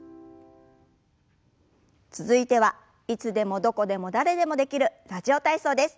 続いてはいつでもどこでも誰でもできる「ラジオ体操」です。